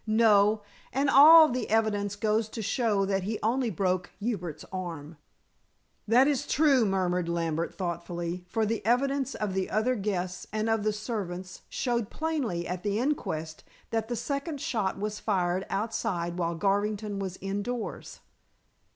"No. And all the evidence goes to show that he only broke Hubert's arm." "That is true," murmured Lambert thoughtfully, "for the evidence of the other guests and of the servants showed plainly at the inquest that the second shot was fired outside while Garvington was indoors."